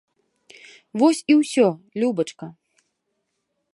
Вось і ўсё, любачка!